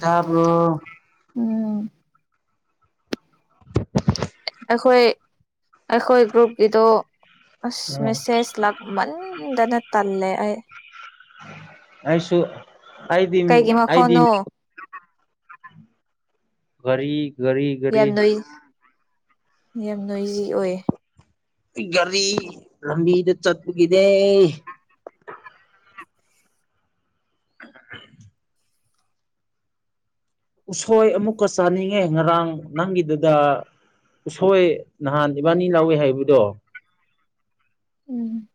ꯇꯥꯕ꯭ꯔꯣ ꯎꯝ ꯑꯩꯈꯣꯏ ꯑꯩꯈꯣꯏ ꯒ꯭ꯔꯨꯞꯀꯤꯗꯣ ꯑꯁ ꯎꯝ ꯃꯦꯁꯦꯁ ꯂꯥꯛꯃꯟꯗꯅ ꯇꯜꯂꯦ ꯑꯩ ꯑꯩꯁꯨ ꯑꯩꯗꯤ ꯀꯩꯒꯤ ꯑꯩꯗꯤ ꯃꯈꯣꯟꯅꯣ ꯒꯥꯔꯤ ꯒꯔꯤ ꯒꯔꯤ ꯌꯥꯝ ꯅꯣꯏ ꯌꯥꯝ ꯅꯣꯏꯖꯤ ꯑꯣꯏꯌꯦ ꯒꯥꯔꯤ ꯂꯝꯕꯤꯗ ꯆꯠꯄꯒꯤꯅꯦ ꯎꯁꯣꯏ ꯑꯃꯨꯛꯀ ꯆꯥꯅꯤꯡꯉꯦ ꯉꯔꯥꯡ ꯅꯪꯒꯤꯗꯨꯗ ꯎꯁꯣꯏ ꯅꯍꯥꯟ ꯏꯕꯥꯅꯤ ꯂꯥꯎꯑꯦ ꯍꯥꯏꯕꯗꯣ ꯎꯝ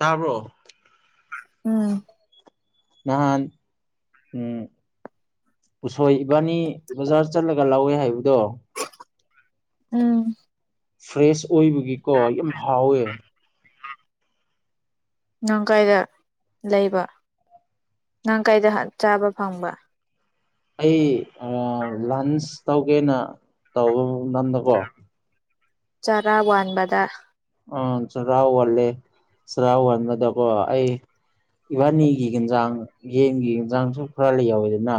ꯇꯥꯕ꯭ꯔꯣ ꯎꯝ ꯅꯍꯥꯟ ꯎꯝ ꯎꯁꯣꯏ ꯏꯕꯥꯅꯤ ꯕꯖꯥꯔ ꯆꯠꯂꯒ ꯂꯧꯋꯦ ꯍꯥꯏꯕꯗꯣ ꯎꯝ ꯐ꯭ꯔꯦꯁ ꯑꯣꯏꯕꯒꯤꯀꯣ ꯌꯥꯝ ꯍꯥꯎꯋꯦ ꯅꯪ ꯀꯥꯏꯗ ꯂꯩꯕ ꯅꯪ ꯀꯥꯏꯗꯗ ꯆꯥꯕ ꯐꯪꯕ ꯑꯩ ꯑꯥ ꯂꯟꯁ ꯇꯧꯒꯦꯅ ꯇꯧꯕ ꯝꯇꯝꯗꯀꯣ ꯆꯥꯔꯥ ꯋꯥꯟꯕꯗ ꯑꯥ ꯆꯔꯥ ꯋꯥꯜꯂꯦ ꯆꯥꯔꯥ ꯋꯥꯟꯕꯗꯀꯣ ꯑꯩ ꯏꯕꯥꯟꯅꯤꯒꯤ ꯍꯦꯟꯁꯥꯡ ꯌꯦꯟꯒꯤ ꯍꯦꯟꯖꯥꯡꯁꯨ ꯈꯔ ꯂꯩꯍꯧꯋꯤꯗꯅ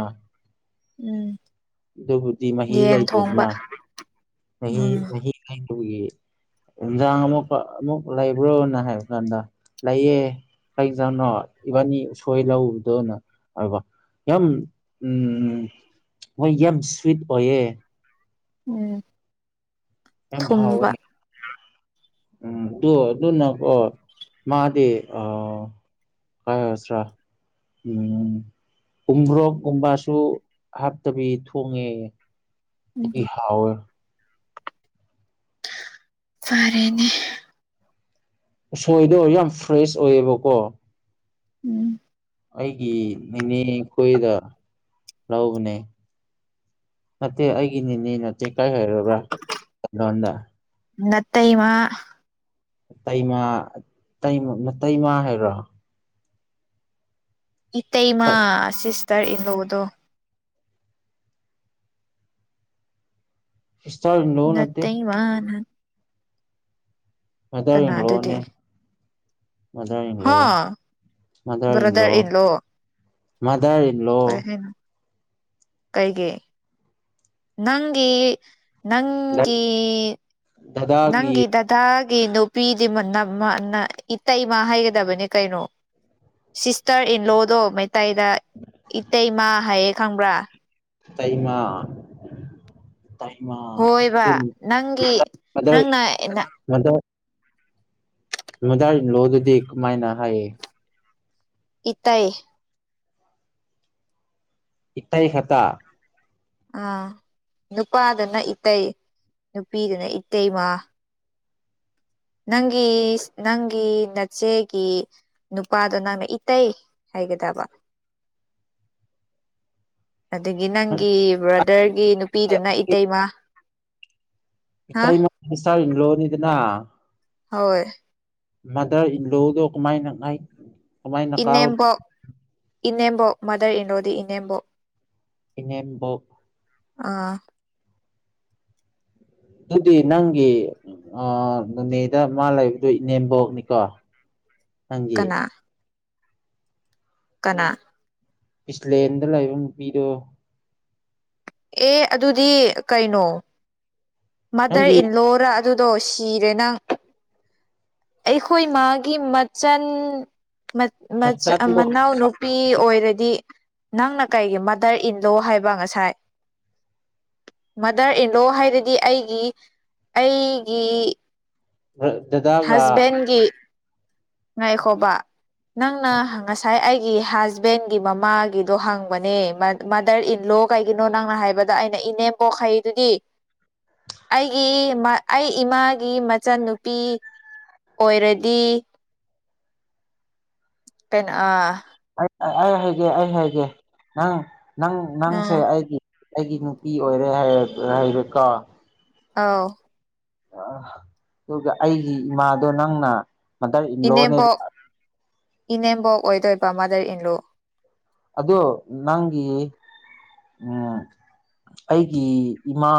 ꯎꯝ ꯑꯗꯨꯕꯨꯗꯤ ꯃꯍꯤ ꯌꯦꯟ ꯊꯣꯡꯕ ꯂꯩꯇ꯭ꯔꯦꯗꯅ ꯃꯍꯤ ꯎꯝ ꯃꯍꯤ [unintelligible] ꯅꯨꯡꯗꯥꯡ ꯑꯃꯨꯛꯀ ꯑꯃꯨꯛ ꯂꯩꯕ꯭ꯔꯣꯅ ꯍꯥꯏꯕ ꯀꯥꯟꯗ ꯂꯩꯌꯦ ꯀꯩꯖꯥꯡꯅꯣ ꯏꯕꯥꯟꯅꯤ ꯎꯁꯣꯏ ꯂꯧꯔꯨꯕꯗꯣꯅ ꯍꯥꯏꯕ ꯌꯥꯝ ꯎꯝ ꯃꯣꯏ ꯌꯥꯝ ꯁ꯭ꯋꯤꯠ ꯑꯣꯏꯌꯦ ꯎꯝ ꯌꯥꯝ ꯍꯥꯎꯋꯦ ꯊꯨꯝꯕ ꯎꯝ ꯗꯨ ꯑꯗꯨꯅꯀꯣ ꯃꯥꯗꯤ ꯑꯥ [unintelligible] ꯎꯝ ꯎꯃꯣꯔꯣꯛꯀꯨꯝꯕꯁꯨ ꯍꯥꯞꯇꯕꯤ ꯊꯣꯡꯉꯦ ꯎꯝ ꯑꯗꯨꯒꯤ ꯍꯥꯎꯋꯦ ꯐꯔꯦꯅꯦ ꯎꯁꯣꯏꯗꯣ ꯌꯥꯝ ꯐ꯭ꯔꯦꯁ ꯑꯣꯏꯌꯦꯕꯀꯣ ꯎꯝ ꯑꯩꯒꯤ ꯅꯦꯅꯦ ꯈꯣꯏꯗ ꯂꯧꯕꯅꯦ ꯅꯠꯇꯦ ꯑꯩꯒꯤꯅꯦꯅꯦ ꯅꯠꯇꯦ ꯀꯥꯏ ꯍꯥꯏꯔꯕ꯭ꯔꯥ ꯃꯩꯇꯩ ꯂꯣꯟꯗ ꯅꯇꯩꯃ ꯇꯩꯃ ꯇꯩꯃ ꯅꯇꯩꯃ ꯍꯥꯏꯔꯣ ꯏꯇꯩꯃ ꯁꯤꯁꯇꯔ ꯏꯟ ꯂꯣꯗꯣ ꯁꯤꯁꯇꯔ ꯏꯟ ꯂꯣ ꯅꯠꯇꯦ ꯅꯥꯇꯩꯃꯅ ꯃꯥꯗ꯭ꯔ ꯀꯅꯥ ꯑꯗꯨꯗꯤ ꯏꯟꯂꯣꯅꯦ ꯃꯥꯗꯔ ꯏꯟ ꯂꯣ ꯍꯥ mother in brother law in law mother in law ꯀꯩ ꯍꯥꯏꯅꯣ ꯀꯩꯒꯤ ꯅꯪꯒꯤ ꯅꯪꯒꯤ ꯗꯗꯥꯒꯤ ꯅꯪꯒꯤ ꯗꯗꯥ ꯒꯤ ꯅꯨꯄꯤꯗꯤ ꯃꯅꯝꯃ ꯅ ꯏꯇꯩꯃ ꯍꯥꯏꯒꯗꯕꯅꯦ ꯀꯩꯅꯣ ꯁꯤꯁꯇꯔ ꯏꯟ ꯂꯣ ꯗꯣ ꯃꯩꯇꯩꯥꯗ ꯏꯇꯩꯃꯥ ꯍꯥꯏꯌꯦ ꯈꯪꯕ꯭ꯔꯥ ꯏꯇꯩꯃ ꯏꯇꯩꯃ ꯍꯣꯏꯕ ꯗꯨꯝ ꯅꯪꯒꯤ ꯃꯥꯗꯔ ꯃꯥꯗꯔ ꯅꯪꯅ ꯃꯥꯗꯔ ꯃꯥꯗꯔ ꯏꯟ ꯂꯣ ꯗꯨꯗꯤ ꯀꯃꯥꯏꯅ ꯍꯥꯏꯌꯦ ꯏꯇꯩꯥ ꯏꯇꯩ ꯈꯠꯇ ꯑꯥ ꯅꯨꯄꯥꯗꯅ ꯏꯇꯩ ꯅꯨꯄꯤꯗꯅ ꯏꯇꯩꯃ ꯅꯪꯒꯤ ꯅꯪꯒꯤ ꯅꯆꯦꯒꯤ ꯅꯨꯄꯥꯗꯣ ꯅꯪꯅ ꯏꯇꯩ ꯍꯥꯏꯒꯗꯕ [inaudible] ꯑꯗꯒꯤ ꯅꯪꯒꯤ ꯕ꯭ꯔꯗꯔꯒꯤ ꯅꯨꯄꯤꯗꯨꯅ ꯏꯇꯩꯃ ꯍꯥ ꯏꯇꯩꯃ ꯁꯤꯁꯇꯔ ꯏꯟ ꯂꯣ ꯅꯤꯗꯅ ꯍꯣꯏ ꯃꯥꯗꯔ ꯏꯟ ꯂꯣ ꯗꯣ ꯀꯃꯥꯏꯅ ꯍꯥꯏ ꯀꯃꯥꯏꯅ ꯀꯥꯎ ꯏꯅꯦꯝꯕꯣꯛ ꯏꯅꯦꯝꯕꯣꯛ ꯃꯥꯗꯔ ꯏꯟ ꯂꯣ ꯗꯤ ꯏꯅꯦꯝꯕꯣꯛ ꯏꯅꯦꯝꯕꯣꯛ ꯑꯥ ꯑꯗꯨꯗꯤ ꯅꯪꯒꯤ ꯑ ꯅꯣꯅꯦꯗ ꯃꯥ ꯂꯩꯕꯗꯨ ꯏꯅꯦꯝꯕꯣꯛꯅꯤꯀꯣ ꯅꯪꯒꯤ ꯀꯅꯥ ꯀꯅꯥ ꯄꯤꯁꯂꯦꯟꯗ ꯂꯩꯕ ꯅꯨꯄꯤꯗꯣ ꯑꯦ ꯑꯗꯨꯗꯤ ꯀꯩꯅꯣ ꯃꯗꯔ ꯅꯪꯒꯤ ꯏꯜꯂꯣꯔ ꯑꯗꯨꯗꯣ ꯁꯤꯔꯦꯅꯪ ꯑꯩꯈꯣꯏ ꯃꯥꯒꯤ ꯃꯆꯟ ꯃꯆꯥꯗꯣ ꯃꯆꯟ ꯃꯅꯥꯎꯅꯨꯄꯤ ꯑꯣꯏꯔꯗꯤ ꯅꯪꯅ ꯀꯔꯤꯒꯤ ꯃꯥꯗꯔ ꯏꯟꯂꯣ ꯍꯥꯏꯕ ꯉꯁꯥꯏ ꯃꯥꯗꯔ ꯏꯟꯂꯣ ꯍꯥꯏꯔꯗꯤ ꯑꯩꯒꯤ ꯑꯩꯒꯤ ꯗꯗꯥꯒ ꯍꯁꯕꯦꯟꯒꯤ ꯉꯥꯏꯈꯣꯕ ꯅꯪꯅ ꯉꯁꯥꯏ ꯑꯩ ꯒꯤ ꯍꯖꯕꯦꯟꯒꯤ ꯃꯃꯥꯒꯤꯗꯣ ꯍꯪꯕꯅꯦ ꯃꯥ ꯃꯥꯗꯔ ꯏꯟ ꯂꯣ ꯀꯩꯒꯤꯅꯣ ꯅꯪꯅ ꯍꯥꯏꯕꯗ ꯑꯩꯅ ꯏꯅꯦꯝꯄꯣꯛ ꯍꯥꯏꯌꯦꯗꯨꯗꯤ ꯑꯩꯒꯤ ꯑꯩ ꯏꯃꯥꯒꯤ ꯃꯆꯟꯅꯨꯄꯤ ꯑꯣꯏꯔꯗꯤ ꯀꯩꯅꯣ ꯑ ꯑꯩ ꯑꯩ ꯍꯥꯏꯒꯦ ꯑꯩ ꯍꯥꯏꯒꯦ ꯅꯪ ꯅꯪ ꯅꯪꯁꯦ ꯎꯝ ꯑꯩꯒꯤ ꯑꯩꯒꯤ ꯅꯨꯄꯤ ꯑꯣꯏꯔꯦ ꯍꯥꯢꯌꯦ ꯍꯩꯔꯦꯀꯥ ꯑꯥꯎ ꯑꯗꯨꯒ ꯑꯩꯒꯤ ꯏꯃꯥꯗꯣ ꯅꯪꯅ ꯃꯥꯗꯔ ꯏꯟꯂꯣꯅꯦꯕ ꯏꯅꯦꯝꯕꯣꯛ ꯏꯅꯦꯝꯕꯣꯛ ꯑꯣꯏꯗꯣꯏꯕ ꯃꯥꯗꯔ ꯏꯟꯂꯣ ꯑꯗꯣ ꯅꯪꯒꯤ ꯎꯝ ꯑꯩꯒꯤ ꯏꯃꯥ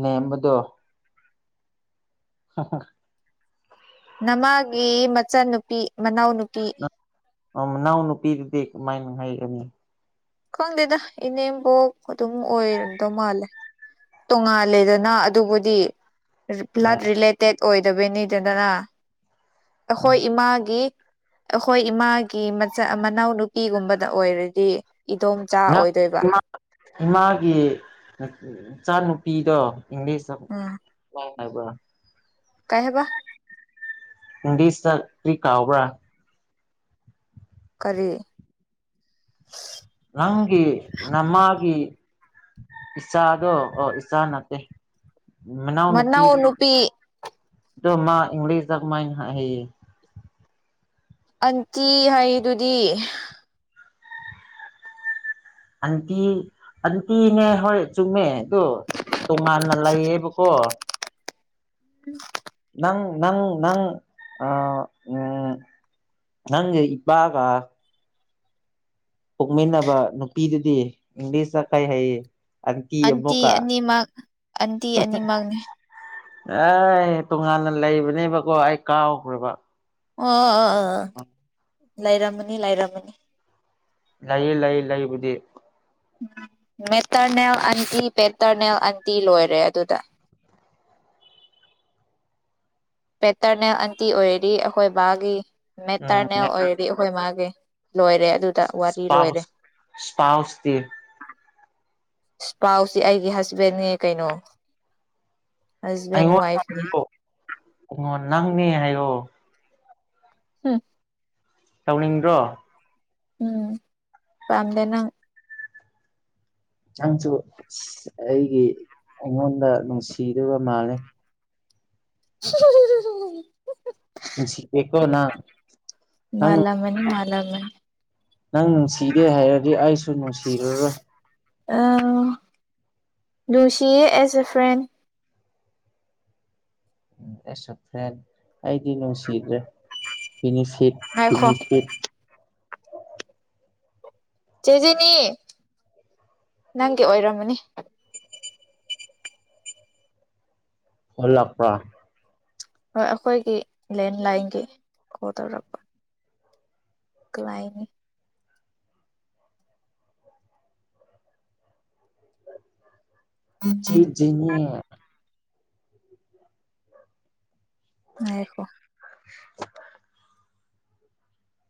ꯅꯦꯝꯕꯗꯣ ꯍ ꯍ ꯅꯃꯥꯒꯤ ꯃꯆꯟꯅꯨꯄꯤ ꯃꯅꯥꯎꯅꯨꯄꯤ ꯃꯅꯥꯎꯅꯨꯄꯤꯗꯨꯗꯤ ꯀꯃꯥꯏꯅ ꯍꯥꯏꯔꯛꯅꯤ ꯈꯪꯗꯦꯗ ꯏꯅꯦꯝꯕꯣꯛ ꯑꯗꯨꯝ ꯑꯣꯏꯔꯝꯗꯧ ꯃꯥꯜꯂꯦ ꯇꯣꯉꯥꯜꯂꯦꯗꯅ ꯑꯗꯨꯕꯨꯗꯤ ꯕ꯭ꯂꯠ ꯔꯤꯂꯦꯇꯦꯠ ꯑꯣꯏꯗꯕꯩꯅꯤꯗꯗꯅ ꯑꯩꯈꯣꯏ ꯏꯃꯥꯒꯤ ꯑꯩꯈꯣꯏ ꯏꯃꯥꯒꯤ ꯃꯆꯥ ꯃꯅꯥꯎ ꯅꯨꯨꯄꯤꯒꯨꯝꯕꯗ ꯑꯣꯏꯔꯗꯤ ꯏꯗꯣꯝꯆꯥ ꯅꯪ ꯑꯣꯏꯗꯣꯏꯕ ꯏꯃꯥ ꯏꯃꯥꯒꯤ ꯏꯆꯥꯅꯨꯄꯤꯗꯣ ꯏꯪꯂꯤꯁꯇ ꯋꯥꯞ ꯍꯥꯢꯕ꯭ꯔꯥ ꯀꯥꯏ ꯍꯥꯢꯕ ꯏꯪꯂꯤꯁꯇ ꯀ꯭ꯔꯤ ꯀꯥꯎꯕ꯭ꯔꯥ ꯀꯔꯤ ꯅꯪꯒꯤ ꯅꯃꯥꯒꯤ ꯏꯆꯥꯗꯣ ꯑꯣ ꯏꯆꯥ ꯅꯠꯇꯦ ꯃꯅꯥꯎ ꯅꯨꯄꯤꯗ ꯗꯣ ꯃꯥ ꯏꯪꯂꯤꯁꯗ ꯀꯃꯥꯏꯅ ꯍꯥꯏꯌꯦ ꯑꯟꯇꯤ ꯍꯥꯏꯔꯤꯗꯨꯗꯤ ꯑꯟꯇꯤ ꯑꯟꯇꯤꯅꯦ ꯍꯣꯏ ꯆꯨꯝꯃꯦ ꯗꯣ ꯇꯣꯉꯥꯟꯅ ꯂꯩꯌꯦꯕꯀꯣ ꯎꯝ ꯅꯪ ꯅꯪ ꯅꯪ ꯑ ꯎꯝ ꯅꯪꯒ ꯏꯄꯥꯒ ꯄꯣꯛꯃꯤꯟꯅꯕ ꯅꯨꯄꯤꯗꯨꯗꯤ ꯏꯪꯂꯤꯁꯇ ꯀꯔꯤ ꯍꯥꯏꯌꯦ ꯑꯟꯇꯤ ꯑꯅꯤꯃꯛ ꯑꯟꯇꯤ ꯑꯅꯤꯃꯛꯅꯦ ꯑꯥꯢ ꯇꯣꯉꯥꯟꯅ ꯂꯩꯕꯅꯦꯕꯀꯣ ꯑꯩ ꯀꯥꯎꯈ꯭ꯔꯦꯕ ꯑꯣ ꯂꯩꯔꯝꯃꯅꯤ ꯂꯩꯔꯝꯃꯅꯤ ꯂꯩꯌꯦ ꯂꯩꯌꯦ ꯂꯩꯕꯨꯗꯤ ꯃꯦꯇꯔꯅꯦꯜ ꯑꯟꯇꯤ ꯄꯦꯇꯔꯅꯦꯜ ꯑꯟꯇꯤ ꯂꯣꯏꯔꯦ ꯑꯗꯨꯗ ꯄꯦꯇꯔꯅꯦꯜ ꯑꯟꯇꯤ ꯑꯣꯏꯔꯗꯤ ꯑꯩꯈꯣꯏ ꯕꯥꯒꯤ ꯎꯝ ꯃꯦꯇꯔꯅꯦꯜ ꯑꯣꯏꯔꯗꯤ ꯑꯩꯈꯣꯏ ꯃꯥꯒꯤ ꯂꯣꯏꯔꯦ ꯑꯗꯨꯗ ꯋꯥꯔꯤ ꯂꯣꯏꯔꯦ ꯏꯁꯄꯥꯎꯁ ꯏꯁꯄꯥꯎꯁꯇꯤ ꯏꯁꯄꯥꯎꯁꯤ ꯑꯩꯒꯤ ꯍꯖꯕꯦꯟꯅꯦ ꯀꯩꯅꯣ ꯍꯁꯕꯦꯟ ꯑꯩꯉꯣꯟꯗ ꯋꯥꯏꯐꯅꯦ ꯑꯣ ꯅꯪꯅꯦ ꯍꯥꯏꯌꯣ ꯍꯝ ꯇꯧꯅꯤꯡꯗ꯭ꯔꯣ ꯎꯝ ꯄꯥꯝꯗꯦ ꯅꯪ ꯅꯪꯁꯨ ꯁꯤ ꯑꯩꯒꯤ ꯑꯩꯉꯣꯟꯗ ꯅꯨꯡꯁꯤꯗꯕ ꯃꯥꯂꯦ [unintelligible] ꯅꯨꯡꯁꯤꯗꯦꯀꯣ ꯅꯪ ꯅꯪ ꯃꯥꯜꯂꯝꯃꯅꯤ ꯅꯨꯡꯁꯤꯗꯦ ꯃꯥꯜꯂꯝꯃꯅꯤ ꯅꯪ ꯅꯨꯡꯁꯤꯗꯦ ꯍꯥꯏꯔꯗꯤ ꯑꯩꯁꯨ ꯅꯨꯡꯁꯤꯔꯔꯣꯏ ꯑ ꯅꯨꯁꯤꯌꯦ as A friend as a friend ꯑꯩꯗꯤ ꯅꯨꯡꯁꯤꯗ꯭ꯔꯦ ꯕꯤꯅꯤꯐꯤꯠ ꯉꯥꯏꯈꯣ ꯕꯤꯅꯤꯐꯤꯠ ꯆꯦ ꯖꯦꯅꯤ ꯅꯪꯒꯤ ꯑꯣꯏꯔꯝꯃꯅꯤ ꯍꯣꯜꯂꯥꯛꯄ꯭ꯔꯥ ꯍꯣꯏ ꯑꯩꯈꯣꯏꯒꯤ ꯂꯦꯟꯂꯥꯏꯟꯒꯤ ꯀꯣꯜ ꯇꯧꯔꯛꯄ ꯀꯅꯥꯢꯅꯤ ꯆꯦ ꯖꯦꯅꯤ ꯉꯥꯢꯈꯣ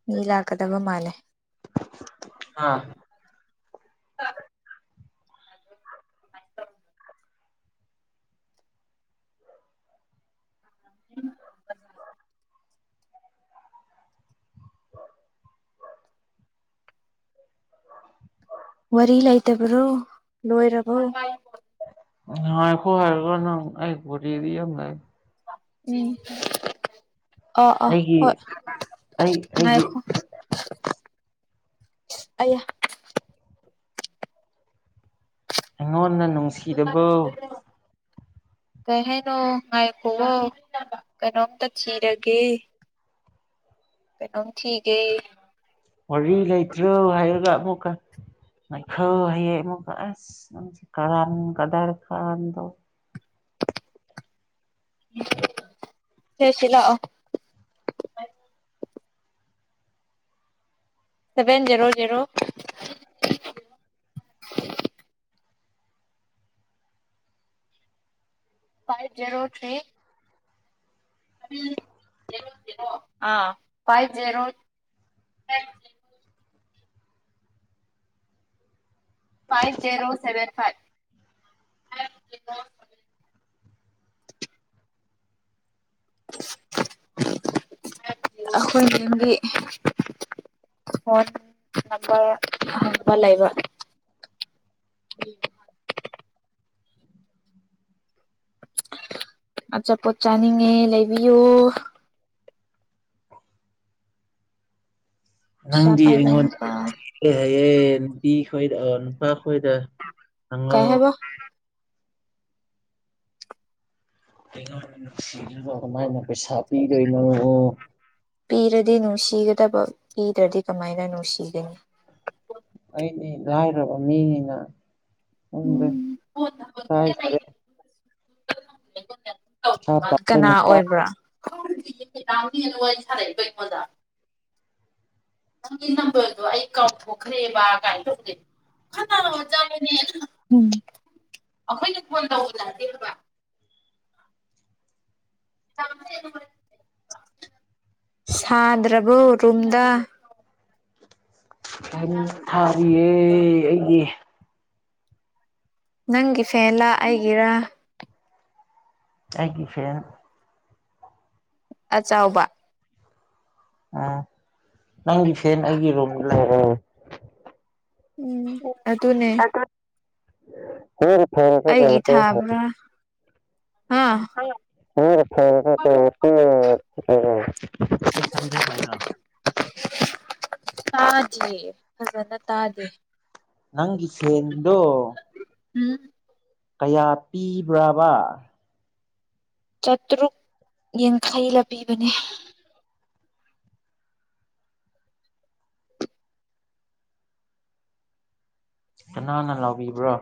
ꯃꯤ ꯂꯥꯛꯀꯗꯕ ꯃꯥꯂꯦ ꯍꯥ [unintelligible] ꯎꯝ ꯋꯥꯔꯤ ꯂꯩꯇꯕ꯭ꯔꯣ ꯂꯣꯏꯔꯕꯣ ꯉꯥꯢꯈꯣ ꯍꯥꯢꯔꯒ ꯅꯪ ꯑꯩ ꯋꯥꯔꯤꯗꯤ ꯌꯥꯝ ꯂꯩ ꯎꯝ ꯑꯥ ꯑꯥ ꯑꯩꯒꯤ ꯍꯣꯏ ꯑꯩ ꯑꯩꯒꯤ ꯉꯥꯏꯈꯣ ꯑꯌꯥ ꯑꯩꯉꯣꯟꯗ ꯅꯨꯡꯁꯤꯗꯕ ꯀꯩ ꯍꯥꯏꯅꯣ ꯉꯥꯏꯈꯣꯑꯣ ꯀꯩꯅꯣꯝꯇ ꯊꯤꯔꯒꯦ ꯀꯩꯅꯣꯝ ꯊꯤꯒꯦ ꯋꯥꯔꯤ ꯂꯩꯇ꯭ꯔꯣ ꯍꯥꯏꯔꯒ ꯑꯃꯨꯛꯀ ꯉꯥꯢꯈꯣ ꯍꯥꯢꯑꯦ ꯑꯃꯨꯛꯀ ꯑꯁ ꯅꯪꯁꯦ ꯀꯔꯟ ꯀꯗꯔ ꯇꯧꯑꯦ [inaudible] ꯁꯦ ꯁꯤ ꯂꯥꯛꯑꯣ seven zero zero five zero three seven zero ꯑꯥ five zero five zero seven five [inaudible] [inaudible] ꯑꯈꯣꯏ ꯌꯨꯝꯒꯤ ꯐꯣꯟ ꯅꯝꯕꯔ ꯍꯪꯕ ꯂꯩꯕ [inaudible] ꯑꯆꯥꯄꯣꯠ ꯆꯥꯅꯤꯡꯉꯦ ꯂꯩꯕꯤꯌꯨ ꯄꯩꯁꯥ ꯅꯪꯗꯤ ꯄꯥꯏꯕ ꯅꯨꯄꯥ ꯑꯩꯉꯣꯟꯗꯌꯦ ꯅꯨꯄꯤ ꯈꯣꯏ ꯅꯨꯄꯥ ꯍꯣꯏꯗ ꯍꯪꯉꯣ ꯀꯩ ꯍꯥꯏꯕ ꯅꯨꯡꯁꯤꯅ ꯀꯃꯥꯏꯅ ꯄꯩꯁꯥ ꯄꯤꯗꯣꯏꯅꯣ ꯄꯤꯔꯗꯤ ꯅꯨꯡꯁꯤꯒꯗꯕ ꯄꯤꯗ꯭ꯔꯗꯤ ꯀꯃꯥꯏꯅ ꯅꯨꯡꯁꯤꯒꯅꯤ ꯑꯩꯅꯤ ꯂꯥꯏꯔꯕ ꯃꯤꯅꯤꯅ ꯈꯪꯗꯦꯏꯀꯥꯏꯖꯔꯦ ꯄꯥꯏꯕ ꯀꯅꯥ ꯅꯨꯄꯥ ꯑꯣꯏꯕ꯭ꯔꯥ [unintelligible] ꯅꯪꯒꯤ ꯅꯝꯕꯔꯗꯣ ꯑꯩ ꯀꯥꯎꯊꯣꯛꯈ꯭ꯔꯦꯕ ꯀꯃꯥꯏꯅ ꯇꯧꯒꯦ ꯎꯝ [unintelligible] ꯁꯥꯗ꯭ꯔ ꯕꯣ ꯔꯨꯝꯗ ꯐꯦꯟ ꯊꯥꯔꯤꯌꯦ ꯑꯩꯗꯤ ꯅꯪꯒꯤ ꯐꯦꯜꯂ ꯑꯩꯒꯤꯔ ꯑꯩꯒꯤ ꯐꯦꯟ ꯑꯆꯥꯎꯕ ꯎ ꯅꯪꯒꯤ ꯐꯦꯟ ꯑꯩꯒꯤ ꯔꯨꯝ ꯂꯩꯔꯦ ꯎꯝ ꯑꯗꯨꯅꯦ ꯑꯩꯒꯤ ꯊꯥꯕ꯭ꯔꯥ [unintelligible] ꯍꯥ [unintelligible] ꯁꯤꯁ ꯍꯟꯗ꯭ꯔꯦ ꯍꯥꯏꯗꯣ ꯏ ꯐꯖꯅ ꯇꯥꯗꯦ ꯅꯪꯒꯤ ꯐꯦꯟꯗꯣ ꯎꯝ ꯀꯌꯥ ꯄꯤꯕ꯭ꯔꯕ ꯆꯥꯇ꯭ꯔꯨꯛ ꯌꯥꯡꯈꯩ ꯂꯄꯤꯕꯤꯕꯅꯦ ꯀꯅꯥꯅ ꯂꯥꯎꯕꯤꯕ꯭ꯔꯣ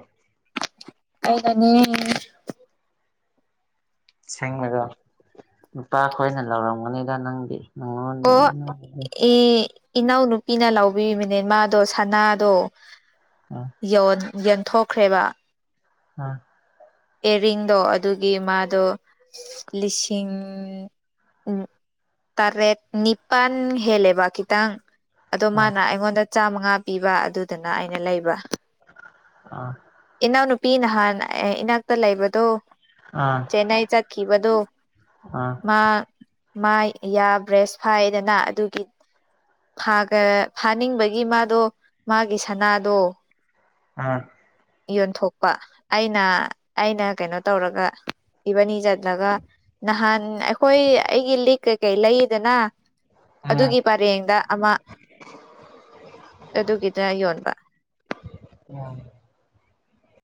ꯑꯩꯅꯅꯦ ꯁꯦꯡꯕꯗꯣ ꯅꯨꯄꯥ ꯈꯣꯏꯅ ꯂꯧꯔꯝꯒꯅꯤꯗ ꯅꯪꯗꯤ ꯑꯪꯉꯣꯟ ꯑꯣ ꯑꯦ ꯏꯅꯥꯎꯅꯨꯄꯤꯅ ꯂꯧꯕꯕꯤꯕꯅꯦ ꯃꯥꯗꯣ ꯁꯅꯥꯗꯣ ꯌꯦꯟꯊꯣꯛꯈ꯭ꯔꯦꯕ ꯑꯥ ꯏꯌꯥꯔꯤꯡꯗꯣ ꯑꯗꯨꯒꯤ ꯃꯥꯗꯣ ꯂꯤꯁꯤꯡ ꯎꯝ ꯇꯔꯦꯠ ꯅꯤꯄꯥꯟ ꯍꯦꯜꯂꯦꯕ ꯈꯤꯇꯪ ꯑꯗꯣ ꯎꯝ ꯃꯥꯅ ꯑꯩꯉꯣꯟꯗ ꯆꯥꯝꯃꯉꯥ ꯄꯤꯕ ꯑꯗꯨꯗꯨꯅ ꯑꯩꯅ ꯂꯩꯕ ꯑꯥ ꯏꯅꯥꯎꯅꯨꯄꯤ ꯅꯍꯥꯟ ꯏꯅꯥꯛꯇ ꯂꯩꯕꯗꯣ ꯎꯝ ꯆꯦꯟꯅꯥꯏ ꯆꯠꯈꯤꯕꯗꯣ ꯎꯝ ꯃꯥ ꯃꯥ ꯌꯥ ꯕ꯭ꯔꯦꯁ ꯐꯥꯏꯗꯅ ꯑꯗꯨꯒꯤ ꯐꯥꯒꯥ ꯐꯥꯅꯤꯡꯕꯒꯤ ꯃꯥꯗꯣ ꯃꯥꯒꯤ ꯁꯅꯥꯗꯣ ꯑꯥ ꯌꯣꯟꯊꯣꯛꯄ ꯑꯩꯅ ꯑꯩꯅ ꯀꯩꯅꯣ ꯇꯧꯔꯒ ꯏꯕꯅꯤ ꯆꯠꯂꯒ ꯅꯍꯥꯟ ꯑꯩꯈꯣꯏ ꯑꯩꯒꯤ ꯂꯤꯛ ꯀꯩꯀꯩ ꯂꯩꯗꯅ ꯎꯝ ꯑꯗꯨꯒꯤ ꯄꯔꯦꯡꯗ ꯑꯃ ꯑꯗꯨꯒꯤꯗ ꯌꯣꯟꯕ ꯎꯝ